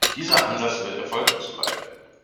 Dieser Ansatz wird erfolglos bleiben.